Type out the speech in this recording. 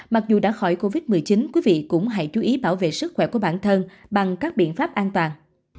mặc dù đã khỏi covid một mươi chín quý vị cũng hãy chú ý bảo vệ sức khỏe của bản thân bằng các biện pháp an toàn